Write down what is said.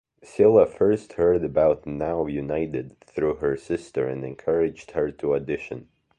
Sylla first heard about Now United through her sister and encouraged her to audition.